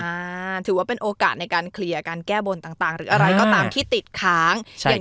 อ่าถือว่าเป็นโอกาสในการเคลียร์การแก้บนต่างต่างหรืออะไรก็ตามที่ติดค้างอย่าง